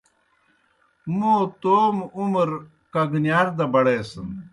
موں توموْ عمر کگنِیاد دہ بڑیسِن۔